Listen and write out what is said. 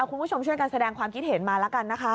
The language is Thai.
คุณผู้ชมช่วยกันแสดงความคิดเห็นมาแล้วกันนะคะ